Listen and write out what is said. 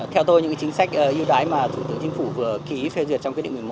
theo tôi những chính sách yêu đái mà thủ tướng chính phủ vừa ký phê duyệt trong quyết định một mươi một